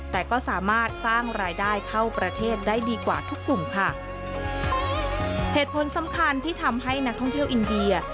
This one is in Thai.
แต่ก็สามารถสร้างรายได้เข้าประเทศได้ดีกว่าทุกกลุ่มค่ะเหตุผลสำคัญที่ทำให้นักท่องเที่ยวอินเดีย